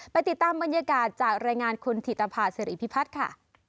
ติดตามบรรยากาศจากรายงานคุณถิตภาษิริพิพัฒน์ค่ะ